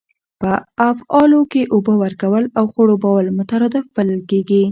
په افعالو کښي اوبه کول او خړوبول مترادف بلل کیږي.